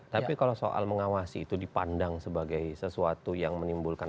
tapi kalau soal mengawasi itu dipandang sebagai sesuatu yang menimbulkan